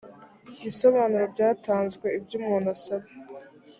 bisobanuro byatanzwe ibyo umuntu asaba